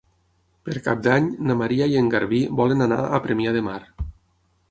Per Cap d'Any na Maria i en Garbí volen anar a Premià de Mar.